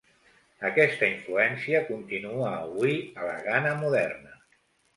Aquesta influència continua avui a la Ghana moderna.